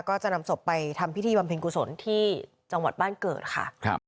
ก็จะนำศพไปทำพิธีบำเพ็ญกุศลที่จังหวัดบ้านเกิดค่ะ